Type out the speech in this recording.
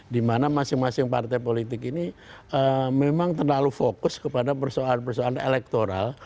dimana masing masing partai politik ini memang terlalu fokus kepada persoalan persoalan elektoral